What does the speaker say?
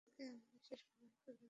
তাঁহাকে আমার বিশেষ প্রণয় কহিও।